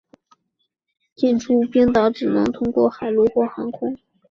进出冰岛只能通过海路或航空。